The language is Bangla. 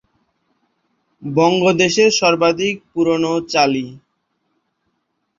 বঙ্গদেশের সর্বাধিক পুরোনো চালি।